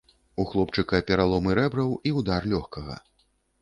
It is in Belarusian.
У хлопчыка пераломы рэбраў і ўдар лёгкага.